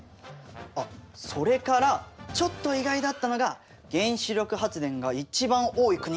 あっそれからちょっと意外だったのが原子力発電が一番多い国。